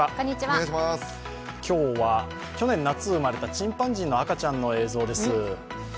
今日は、去年夏、生まれたチンパンジーの赤ちゃんの映像です。